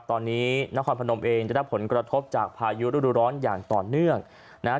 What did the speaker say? ตอนนี้นครพนมเองได้รับผลกระทบจากพายุฤดูร้อนอย่างต่อเนื่องนะฮะ